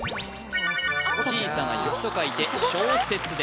小さな雪と書いて小雪です